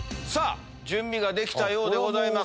準備ができたようでございます。